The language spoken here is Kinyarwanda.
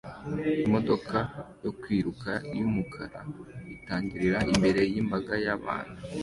Imodoka yo kwiruka yumukara itangirira imbere yimbaga yabantu